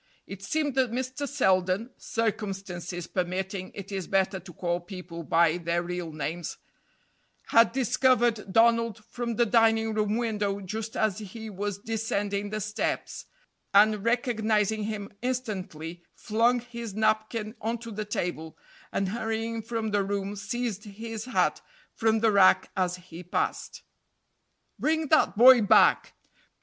It seemed that Mr. Selden (circumstances permitting, it is better to call people by their real names) had discovered Donald from the dining room window just as he was descending the steps, and recognizing him instantly flung his napkin onto the table, and hurrying from the room seized his hat from the rack as he passed. "Bring that boy back!"